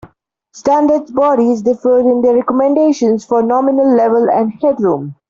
Standards bodies differ in their recommendations for nominal level and headroom.